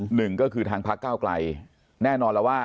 หนึ่งก็คือทางพักเก้าไกลแน่นอนแล้วว่า